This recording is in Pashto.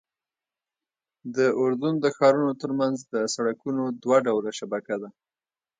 د اردن د ښارونو ترمنځ د سړکونو دوه ډوله شبکه ده.